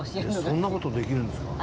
そんな事できるんですか？